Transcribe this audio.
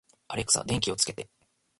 アレクサ、電気をつけて